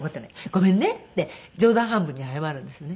ごめんね」って冗談半分に謝るんですね。